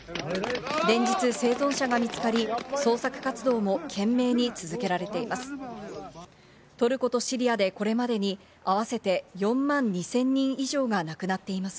連日、生存者が見つかり、捜索活動も懸命に続けられています。